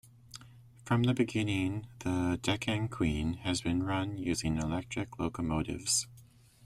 From the beginning, the "Deccan Queen" has been run using electric locomotives.